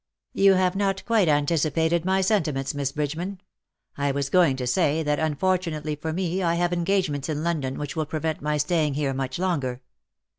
" You have not quite anticipated my sentiments. Miss Bridgeman. I was going to say that unfor tunately for me I have engagements in London which will prevent my staying here much longer.'